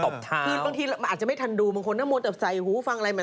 บางทีอาจจะไม่ทันดูบางคนน่ะมวลใส่หูฟังอะไรมา